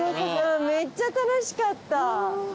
めっちゃ楽しかった。